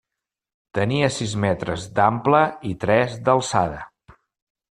Tenia sis metres d'ampla i tres d’alçada.